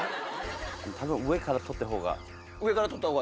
たぶん上から撮ったほうが。